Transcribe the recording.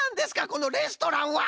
このレストランは！